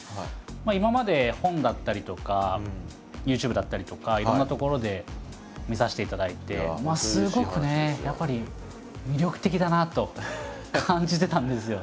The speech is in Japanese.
今まで本だったりとかＹｏｕＴｕｂｅだったりとかいろんなところで見させていただいてすごくねやっぱり魅力的だなと感じてたんですよ。